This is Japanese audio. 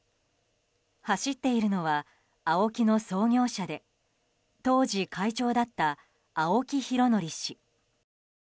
走っているのはＡＯＫＩの創業者で当時、会長だった青木拡憲氏。